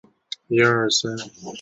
经边防检查站查验后放行。